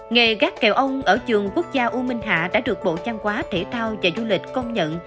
nghề gác kèo ong ở trường quốc gia u minh hạ đã được bộ trang quá thể thao và du lịch công nhận